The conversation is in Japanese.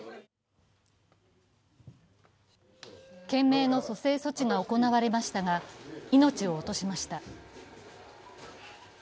懸命の蘇生措置が行われましたが、命を落としました。